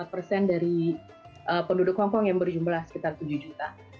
lima persen dari penduduk hongkong yang berjumlah sekitar tujuh juta